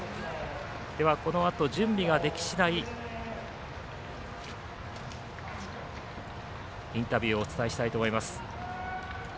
では、このあと準備ができ次第インタビューをお伝えしたいと思います。